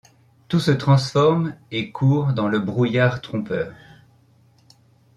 Tout se transforme et court dans le brouillard trompèur ;